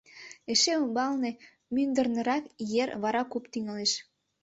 Эше умбалне мӱндырнырак ер, вара куп тӱҥалеш.